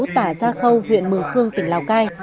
tả gia khâu huyện mường khương tỉnh lào cai